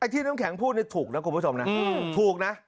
ที่น้ำแข็งพูดถูกนะคุณผู้ชมนะถูกนะ